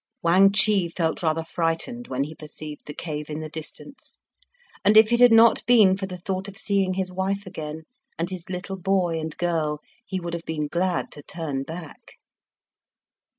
Wang Chih felt rather frightened when he perceived the cave in the distance, and if it had not been for the thought of seeing his wife again, and his little boy and girl, he would have been glad to turn back.